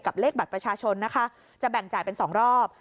เลขบัตรประชาชนนะคะจะแบ่งจ่ายเป็น๒รอบ